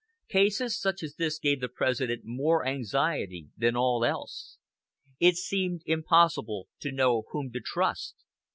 Cases such as this gave the President more anxiety than all else. It seemed impossible to know whom to trust.